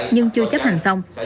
nhưng chưa chấp hành xong